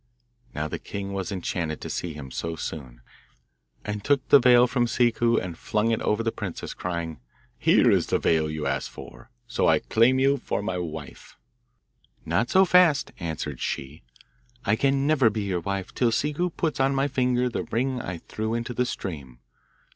Now the king was enchanted to see him so soon, and took the veil from Ciccu and flung it over the princess, crying, 'Here is the veil you asked for, so I claim you for my wife.' 'Not so fast,' answered she. 'I can never be your wife till Ciccu puts on my finger the ring I threw into the stream.